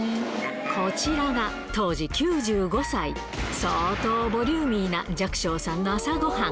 こちらが当時９５歳、相当ボリューミーな、寂聴さんの朝ごはん。